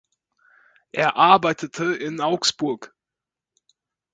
Er arbeitete in Augsburg.